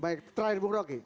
baik terakhir bung roky